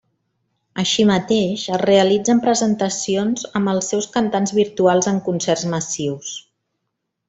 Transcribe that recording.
Així mateix, es realitzen presentacions amb els seus cantants virtuals en concerts massius.